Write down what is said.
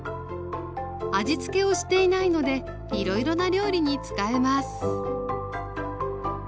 味つけをしていないのでいろいろな料理に使えます